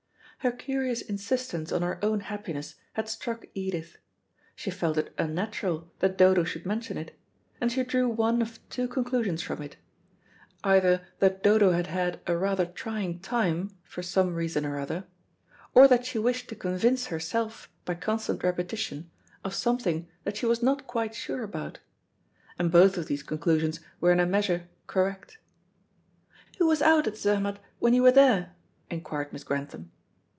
Her curious insistence on her own happiness had struck Edith. She felt it unnatural that Dodo should mention it, and she drew one of two conclusions from it; either that Dodo had had a rather trying time, for some reason or other, or that she wished to convince herself, by constant repetition, of something that she was not quite sure about; and both of these conclusions were in a measure correct. "Who was out at Zermatt when you were there?" inquired Miss Grantham.